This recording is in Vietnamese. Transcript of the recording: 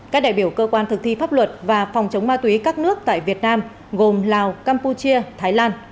các đại biểu cơ quan thực thi pháp luật và phòng chống ma túy các nước tại việt nam gồm lào campuchia thái lan